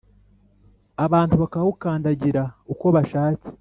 abantu bakawukandagira uko bashatse